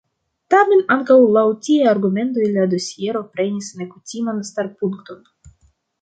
Tamen ankaŭ laŭ tiaj argumentoj la dosiero prenis nekutiman starpunkton.